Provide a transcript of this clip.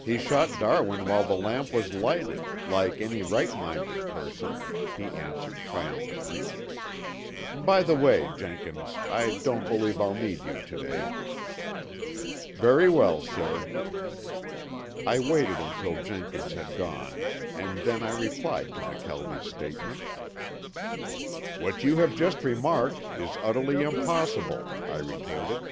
He shot Darwin while the lamp was lighted, like any right minded person," he answered triumphantly. "By the way, Jenkins, I don't believe I'll need you to day." "Very well, sir." I waited until Jenkins had gone and then I replied to McKelvie's statement. "What you have just remarked is utterly impossible," I retorted.